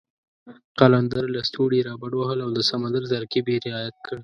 قلندر لسټوني را بډ وهل او د سمندر ترکیب یې رعایت کړ.